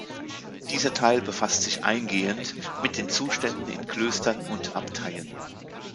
Dieser Teil befasst sich eingehend mit den Zuständen in Klöstern und Abteien.